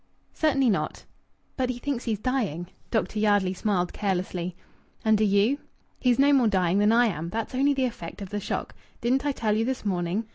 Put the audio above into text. "Certainly not." "But he thinks he's dying." Dr. Yardley smiled carelessly. "And do you?... He's no more dying than I am. That's only the effect of the shock. Didn't I tell you this morning?